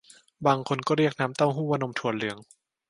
บางคนก็เรียกน้ำเต้าหู้ว่านมถั่วเหลือง